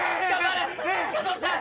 加藤さん